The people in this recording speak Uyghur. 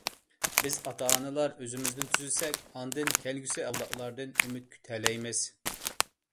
بىز ئاتا-ئانىلار ئۆزىمىزنى تۈزىسەك، ئاندىن كەلگۈسى ئەۋلادلاردىن ئۈمىد كۈتەلەيمىز.